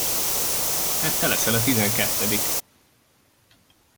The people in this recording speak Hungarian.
Hát te leszel a tizenkettedik!